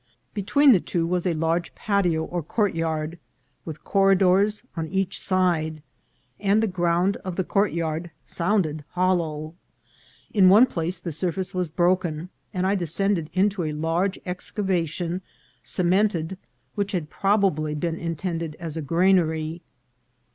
Between the two was a large patio or courtyard, with corridors on each side, ABSENCE OF WATER. 427 and the ground of the courtyard sounded hollow. In one place the surface was broken, and I descended into a large excavation, cemented, which had probably been intended as a granary.